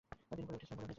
তিনি বলে উঠেছিলেন